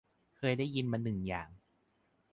เคยได้ยินมาหนึ่งอย่าง